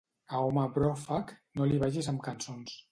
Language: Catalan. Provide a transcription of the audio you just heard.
A home bròfec, no li vagis amb cançons.